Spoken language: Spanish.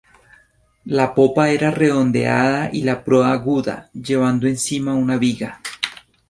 La popa era redondeada y la proa aguda, llevando encima una viga.